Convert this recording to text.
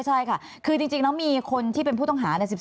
ใช่ค่ะคือจริงแล้วมีคนที่เป็นผู้ต้องหา